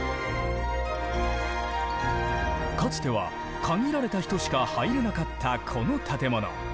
かつては限られた人しか入れなかったこの建物。